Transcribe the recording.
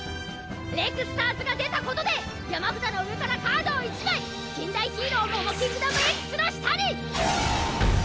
レクスターズが出たことで山札の上からカードを１枚禁断ヒーローモモキングダムＸの下に！